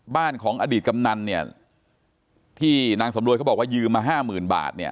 บ้านของอดีตกำนันเนี่ยที่นางสำรวยเขาบอกว่ายืมมาห้าหมื่นบาทเนี่ย